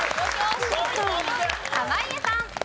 濱家さん。